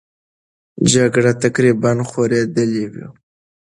جګړه تقریبا خورېدلې وه.